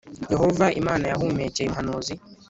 Yehova Imana yahumekeye umuhanuzi